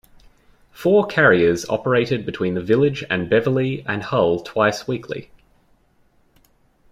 Four carriers operated between the village and Beverley and Hull twice weekly.